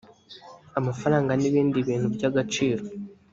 amafaranga n ibindi bintu by agaciro